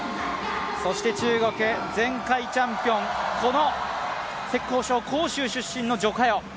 中国、前回チャンピオン、この浙江省・杭州出身の徐嘉余。